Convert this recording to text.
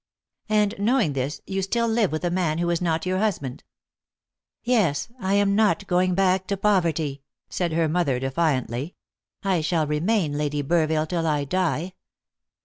"And, knowing this, you still live with a man who is not your husband?" "Yes; I am not going back to poverty," said her mother defiantly. "I shall remain Lady Burville till I die.